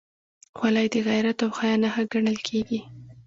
خولۍ د غیرت او حیا نښه ګڼل کېږي.